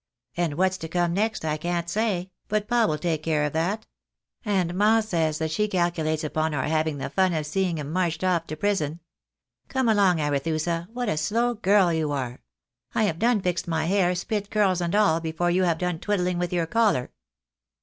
And what's to come next, I can't say, but pa will take care of that ; and ma says, that she calculates upon our having the fun of seeing 'em marched oft to prison. Come along, Arethusa, what a slow girl you are ! I have done fixed my hair, spit curls and all, before you have done twiddhng with your collar."